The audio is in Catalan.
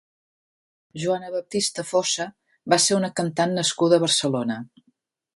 Joana Baptista Fossa va ser una cantant nascuda a Barcelona.